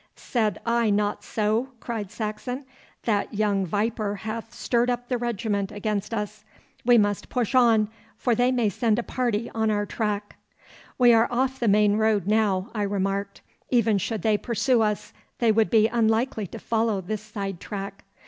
'Said I not so?' cried Saxon. 'That young viper hath stirred up the regiment against us. We must push on, for they may send a party on our track.' 'We are off the main road now, 'I remarked; 'even should they pursue us, they would be unlikely to follow this side track.